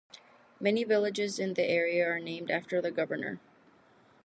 Many villages in the area are named after the governor.